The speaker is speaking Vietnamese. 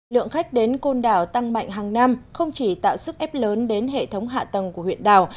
lượng khách đến côn đảo tăng mạnh hàng năm không chỉ tạo sức ép lớn đến hệ thống hạ tầng của huyện đảo